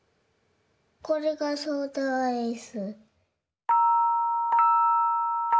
これがソーダアイス。